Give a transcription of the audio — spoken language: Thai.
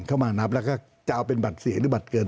เข้ามานับแล้วก็จะเอาเป็นบัตรเสียหรือบัตรเกิน